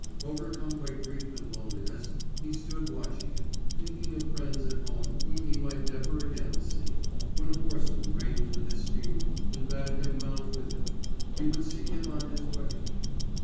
Overcome by grief and loneliness, he stood watching it, thinking of friends at home whom he might never again see, when a horseman reined in his steed and bade him mount with him; he would see him on his way.